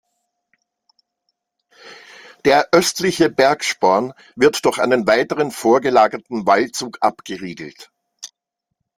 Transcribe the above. Der östliche Bergsporn wird durch einen weiteren vorgelagerten Wallzug abgeriegelt.